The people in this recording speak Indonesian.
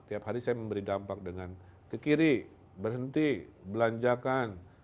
tiap hari saya memberi dampak dengan kekiri berhenti belanjakan